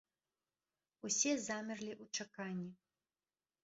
Усе замерлі ў чаканні.